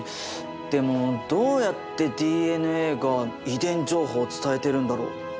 でもどうやってＤＮＡが遺伝情報を伝えてるんだろう？